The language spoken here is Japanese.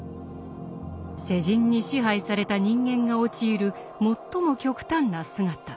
世人に支配された人間が陥る最も極端な姿。